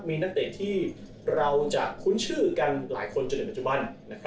มีนักเตะที่เราจะคุ้นชื่อกันหลายคนจนถึงปัจจุบัน